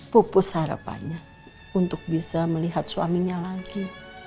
pupus harapannya untuk bisa melihat suaminya lagi